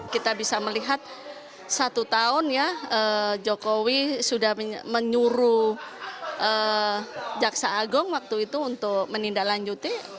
kita bisa melihat satu tahun ya jokowi sudah menyuruh jaksa agung waktu itu untuk menindaklanjuti